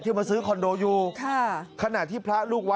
มาซื้อคอนโดอยู่ค่ะขณะที่พระลูกวัด